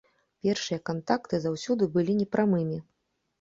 Першыя кантакты заўсёды былі непрамымі.